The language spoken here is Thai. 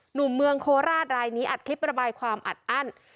หนุ่มเมืองโคราชรายนี้อัดคลิประบายความอัดอั้น